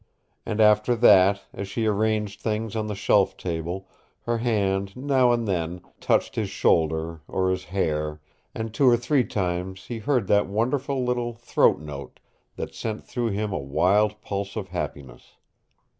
And after that, as she arranged things on the shelf table, her hand now and then touched his shoulder, or his hair, and two or three times he heard that wonderful little throat note that sent through him a wild pulse of happiness.